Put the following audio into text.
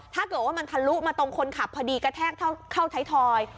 ถ้าเกิดว่ามันทะลุมาตรงคนขับพอดีกระแทกเข้าไทยทอย